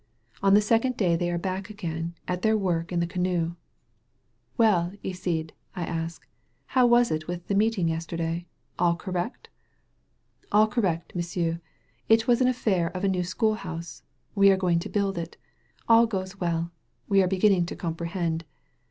On the second day they are back again at their work in the canoe. "Well, Iside," I ask, "how was it with the meet ing yesterday ? All correct?" » "All correct, M'sieu'. It was an affair of a new schoolhouse. We are going to build it. All goes well. We are beginning to comprehend.